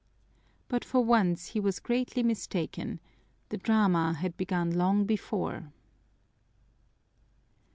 But for once he was greatly mistaken the drama had begun long before!